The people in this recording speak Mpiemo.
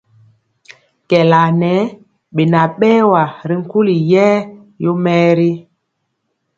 Kɛɛla ŋɛ beŋa berwa ri nkuli yɛɛ yomɛɛri.